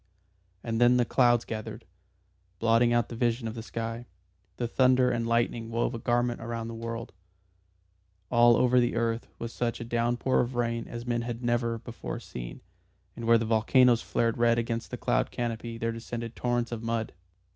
And then the clouds gathered, blotting out the vision of the sky, the thunder and lightning wove a garment round the world; all over the earth was such a downpour of rain as men had never before seen, and where the volcanoes flared red against the cloud canopy there descended torrents of mud.